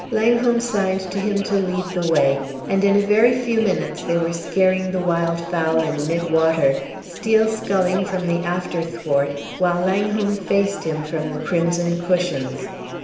Langholm signed to him to lead the way, and in a very few minutes they were scaring the wildfowl in mid water, Steel sculling from the after thwart, while Langholm faced him from the crimson cushions.